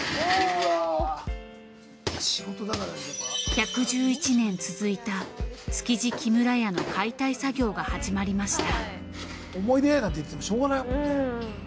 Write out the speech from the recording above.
１１１年続いた築地木村家の解体作業が始まりました。